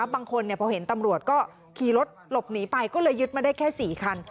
บางคนพอเห็นตำรวจก็ขี่รถหลบหนีไปก็เลยยึดมาได้แค่๔คัน